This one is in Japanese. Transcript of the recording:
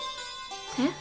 えっ？